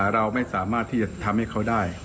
เราไม่สามารถที่จะทำให้เขาได้